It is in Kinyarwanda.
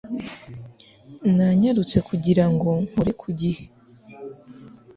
Nanyarutse kugira ngo nkore ku gihe